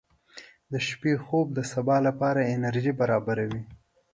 • د شپې خوب د سبا لپاره انرژي برابروي.